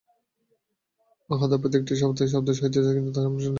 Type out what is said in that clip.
উহাদের প্রত্যেকটি হইতেই শব্দ হইতেছে, কিন্তু তাহা আমরা শুনিতে পাই না।